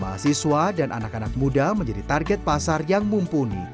mahasiswa dan anak anak muda menjadi target pasar yang mumpuni